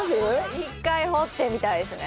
一回掘ってみたいですね。